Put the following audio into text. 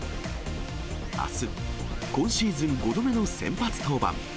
あす、今シーズン５度目の先発登板。